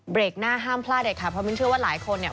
หน้าห้ามพลาดเด็ดค่ะเพราะมินเชื่อว่าหลายคนเนี่ย